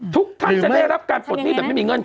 ทุกท่านจะได้รับการปลดหนี้แบบไม่มีเงื่อนไ